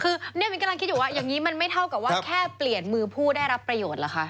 คือเนี่ยมิ้นกำลังคิดอยู่ว่าอย่างนี้มันไม่เท่ากับว่าแค่เปลี่ยนมือผู้ได้รับประโยชน์เหรอคะ